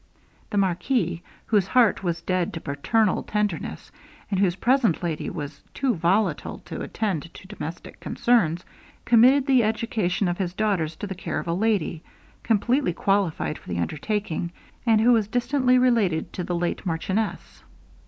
The marquis, whose heart was dead to paternal tenderness, and whose present lady was too volatile to attend to domestic concerns, committed the education of his daughters to the care of a lady, completely qualified for the undertaking, and who was distantly related to the late marchioness.